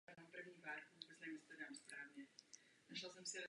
Ta má být odsunuta do některého muzea a nahrazena památníkem osvoboditelů Prahy.